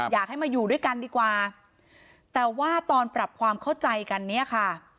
อยากให้มาอยู่ด้วยกันดีกว่าแต่ว่าตอนปรับความเข้าใจกันเนี่ยค่ะ